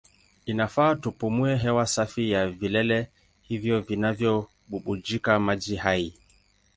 Inafaa tupumue hewa safi ya vilele hivyo vinavyobubujika maji hai.